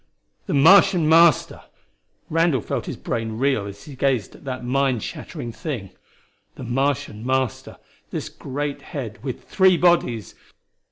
The Martian Master! Randall felt his brain reel as he gazed at that mind shattering thing. The Martian Master this great head with three bodies!